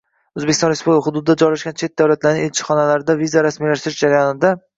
O‘zbekiston Respublikasi hududida joylashgan chet davlatlarning elchixonalarida viza rasmiylashtirish jarayonida